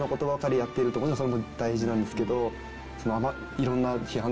もちろんそれも大事なんですけど。